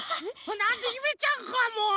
なんだゆめちゃんかもう！